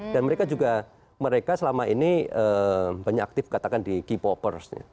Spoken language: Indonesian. dan mereka juga mereka selama ini banyak aktif katakan di k popers